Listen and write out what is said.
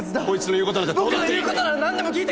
こいつの言うことなんか。